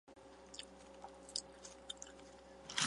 其后更确立新罗的父传子继位制度。